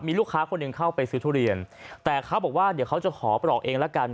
มีลูกค้าคนหนึ่งเข้าไปซื้อทุเรียนแต่เขาบอกว่าเดี๋ยวเขาจะขอปลอกเองละกัน